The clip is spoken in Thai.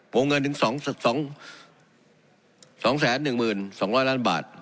โครงเงินถึง๒แสน๑หมื่น๒๐๐ล้านบาท